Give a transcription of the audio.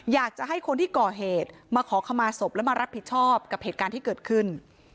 อยากจะให้คนที่ก่อเหตุมาขอขมาศพและมารับผิดชอบกับเหตุการณ์ที่เกิดขึ้น